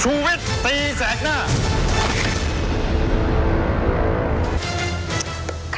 ชูเวชตีแสงหน้า